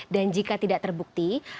dan jika tidak terbukti